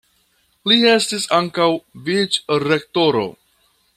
Li estis ankaŭ vicrektoro.